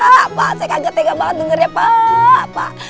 saya kaget kaget banget dengarnya pak